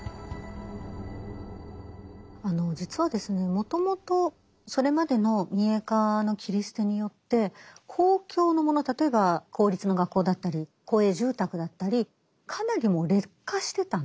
もともとそれまでの民営化の切り捨てによって公共のもの例えば公立の学校だったり公営住宅だったりかなりもう劣化してたんですね。